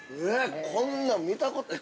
こんなん見たことない。